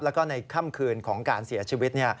แล้วก็ในค่ำคืนของการเสียชีวิต